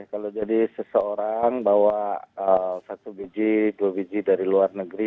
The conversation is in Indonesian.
kalau jadi seseorang bawa satu biji dua biji dari luar negeri